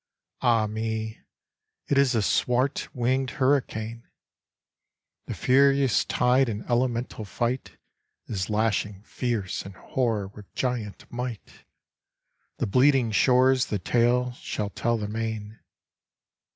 Ah me, it is the swart winged hurricane! The furious tide in elemental fight Is lashing fierce and hoar with giant might, The bleeding shores the tale shall tell the main!